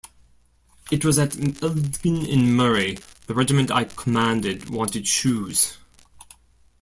It was at Elgin in Murray, the Regiment I commanded wanted shoes.